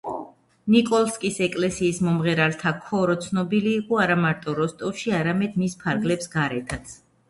ნიკოლსკის ეკლესიის მომღერალთა ქორო ცნობილი იყო არამარტო როსტოვში, არამედ მის ფარგლებს გარეთაც.